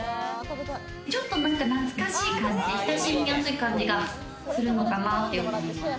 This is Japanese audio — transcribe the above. ちょっと懐かしい感じ、親しみやすい感じがするのかなという。